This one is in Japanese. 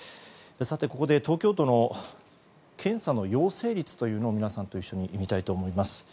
ここで東京都の検査の陽性率というのを皆さんと一緒に見たいと思います。